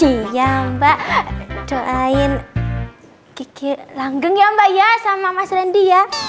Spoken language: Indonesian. iya mbak doain kiki langgeng ya mbak ya sama mas randy ya